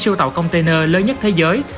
siêu tàu container lớn nhất thế giới